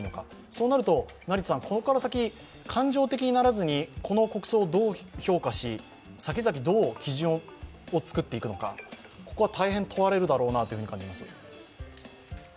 そうなると、ここから先感情的にならずにこの国葬をどう評価し、先々、どう基準を作っていくのか、ここは大変問われるだろうなと感じます。